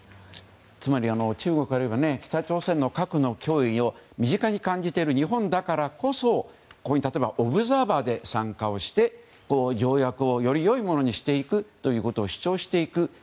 つまり中国あるいは北朝鮮の核の脅威を身近に感じている日本だからこそオブザーバーで参加をして条約をより良いものにしていくことを主張していく。